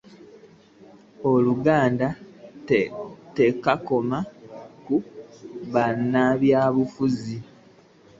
Uganda tekoma ku bannabyabufuzi